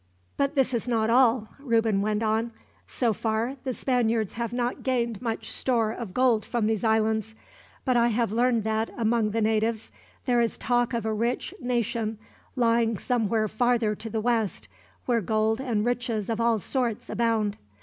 "But this is not all," Reuben went on. "So far, the Spaniards have not gained much store of gold from these islands; but I have learned that, among the natives, there is talk of a rich nation lying somewhere farther to the west, where gold and riches of all sorts abound.